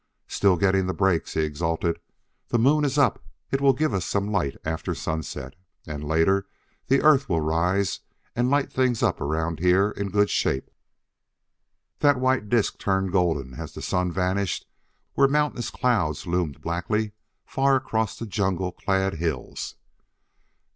"Still getting the breaks," he exulted. "The moon is up; it will give us some light after sunset, and later the Earth will rise and light things up around here in good shape." That white disk turned golden as the sun vanished where mountainous clouds loomed blackly far across the jungle clad hills.